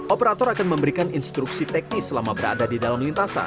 operator akan memberikan instruksi teknis selama berada di dalam lintasan